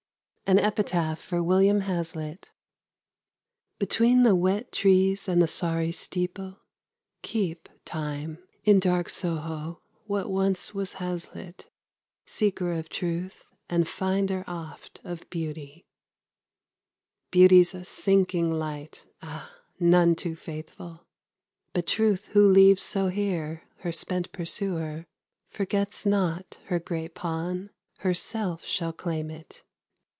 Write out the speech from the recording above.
AN EPITAPH FOR WILLIAM HAZLITT. Between the wet trees and the sorry steeple, Keep, Time, in dark Soho, what once was Hazlitt, Seeker of Truth, and finder oft of Beauty; Beauty's a sinking light, ah, none too faithful; But Truth, who leaves so here her spent pursuer, Forgets not her great pawn: herself shall claim it.